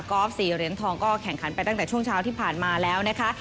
อล์ฟ๔เหรียญทองก็แข่งขันไปตั้งแต่ช่วงเช้าที่ผ่านมาแล้วนะคะ